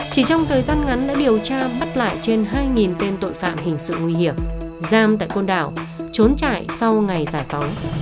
chỉ trong thời gian ngắn đã điều tra bắt lại trên hai tên tội phạm hình sự nguy hiểm giam tại côn đảo trốn chạy sau ngày giải phóng